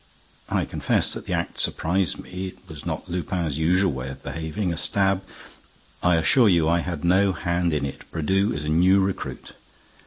"I confess that the act surprised me. It was not Lupin's usual way of behaving. A stab—" "I assure you I had no hand in it. Brédoux is a new recruit.